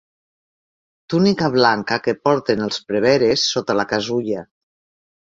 Túnica blanca que porten els preveres sota la casulla.